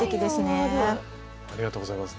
ありがとうございます。